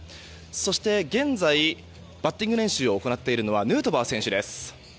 そして現在バッティング練習を行っているのはヌートバー選手です。